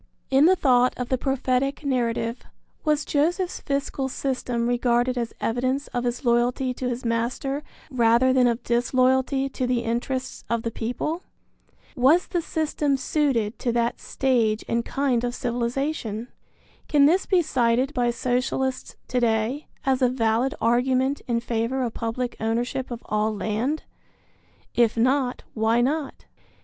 In the thought of the prophetic narrative, was Joseph's fiscal system regarded as evidence of his loyalty to his master rather than of disloyalty to the interests of the people? Was the system suited to that stage and kind of civilization? Can this be cited by Socialists to day as a valid argument in favor of public ownership of all land? If not, why not?